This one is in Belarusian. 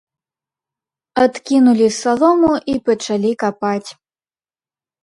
Адкінулі салому і пачалі капаць.